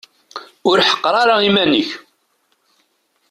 Ur ḥeqqer ara iman-ik.